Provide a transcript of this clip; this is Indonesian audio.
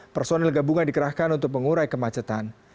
personil gabungan dikerahkan untuk mengurai kemacetan